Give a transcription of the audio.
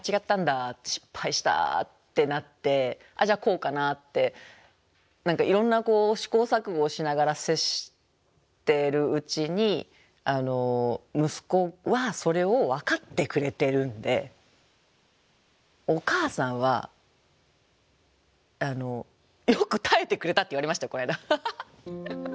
失敗した」ってなって「あっじゃあこうかな」って何かいろんな試行錯誤をしながら接してるうちに息子はそれを分かってくれてるんで「お母さんはよく耐えてくれた」って言われましたこの間。